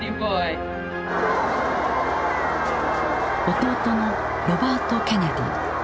弟のロバート・ケネディ。